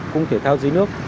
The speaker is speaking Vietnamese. cung thể thao dưới nước